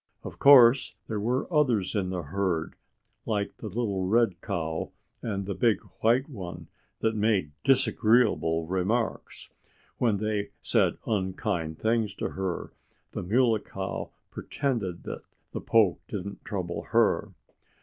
Of course, there were others in the herd, like the little red cow and the big white one, that made disagreeable remarks. When they said unkind things to her the Muley Cow pretended that the poke didn't trouble her.